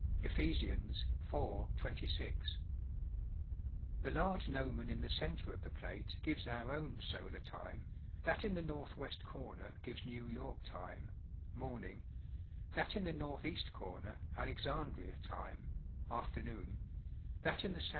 Ephes, iv* 26, The large gnomon in the centre of the plate gives our own solar time, that in the N,W. corner gives New York time (morn¬ ing), that in the N.E, corner Alexandria I time (afternoon), that in the SAV.